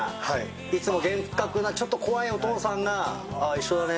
いつも厳格なちょっと怖いお父さんが「あっ一緒だね」